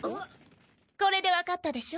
これで分かったでしょ？